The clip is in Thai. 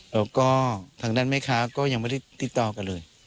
แล้วก็ทางด้านแม่ค้าก็ยังไม่ได้ติดต่อกันเลย